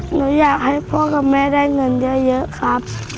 หนูอยากให้พ่อกับแม่ได้เงินเยอะครับ